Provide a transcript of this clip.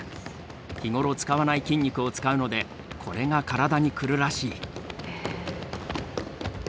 日頃使わない筋肉を使うのでこれが体にくるらしい。